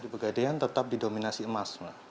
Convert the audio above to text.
pegadaian tetap didominasi emas